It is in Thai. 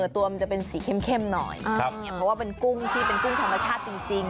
ตัวมันจะเป็นสีเข้มหน่อยเพราะว่าเป็นกุ้งที่เป็นกุ้งธรรมชาติจริง